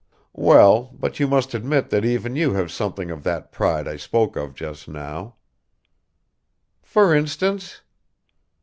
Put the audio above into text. "Well, but you must admit that even you have something of that pride I spoke of just now." "For instance?"